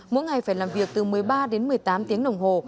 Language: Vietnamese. mỗi ngày phải làm việc từ một mươi ba đến một mươi tám tiếng đồng hồ